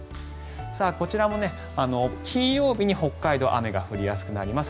こちらも金曜日に北海道雨が降りやすくなります。